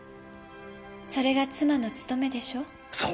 それが妻の務めでしょう？